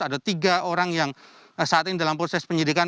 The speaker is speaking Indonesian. ada tiga orang yang saat ini dalam proses penyidikan